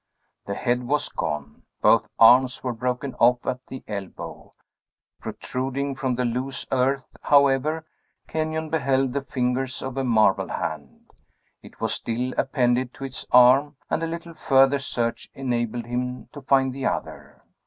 The head was gone; both arms were broken off at the elbow. Protruding from the loose earth, however, Kenyon beheld the fingers of a marble hand; it was still appended to its arm, and a little further search enabled him to find the other.